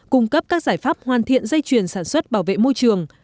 cung cấp các giải pháp hoàn thiện dây chuyền sản xuất bảo vệ môi trường